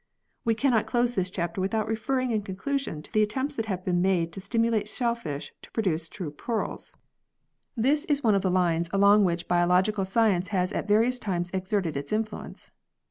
We cannot close this chapter without referring in conclusion to the attempts that have been made to stimulate shellfish to produce true pearls. This is D. 5 66 PEARLS [CH. one of the lines along which biological science has at various times exerted its influence.